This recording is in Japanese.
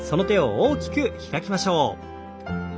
大きく開きましょう。